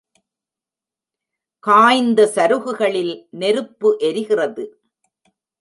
காய்ந்த சருகுகளில் நெருப்பு எரிகிறது.